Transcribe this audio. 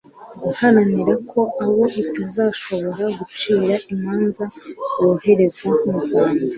guharanira ko abo itazashobora gucira imanza boherezwa mu rwanda